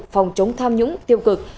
phòng chống tham nhũng tiêu cực